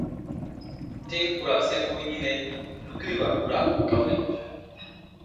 Tim ku ra sekuru yinɛ, dukiriwa mu ra kawe.